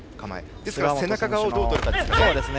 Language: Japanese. ですから背中側をどうとるかですね。